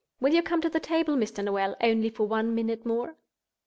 Will you come to the table, Mr. Noel, only for one minute more?"